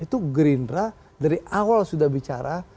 itu gerindra dari awal sudah bicara